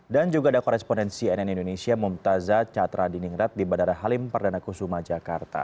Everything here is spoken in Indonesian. dan juga ada koresponensi cnn indonesia mumtazat catra diningrat di madara halim perdana kusuma jakarta